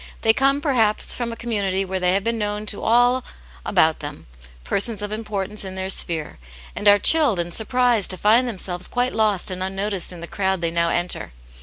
They come, perhaps, from a community where they have been known to all about them, persons of importance in their sphere, and are chilled and surprised to find themselves quite lost and unnoticed in the crowd they now enter.